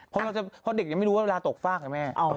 เพราะเด็กยังไม่รู้ว่าเวลาตกฟากนะแม่